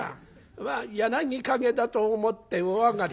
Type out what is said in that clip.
「まあ『柳陰』だと思ってお上がり」。